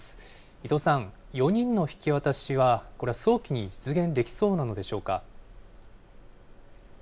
伊藤さん、４人の引き渡しは、これは早期に実現できそうなのでしょうか。